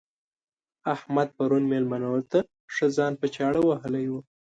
احمد پرون مېلمنو ته ښه ځان په چاړه وهلی وو.